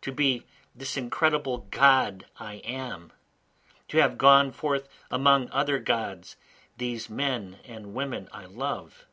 To be this incredible God I am! To have gone forth among other Gods, these men and women I love.